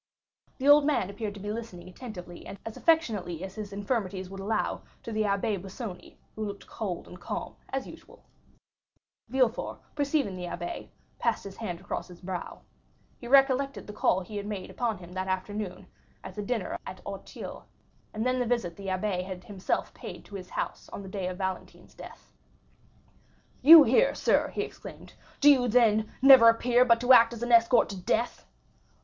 The old man appeared to be listening attentively and as affectionately as his infirmities would allow to the Abbé Busoni, who looked cold and calm, as usual. Villefort, perceiving the abbé, passed his hand across his brow. The past came to him like one of those waves whose wrath foams fiercer than the others. He recollected the call he had made upon him after the dinner at Auteuil, and then the visit the abbé had himself paid to his house on the day of Valentine's death. "You here, sir!" he exclaimed; "do you, then, never appear but to act as an escort to death?"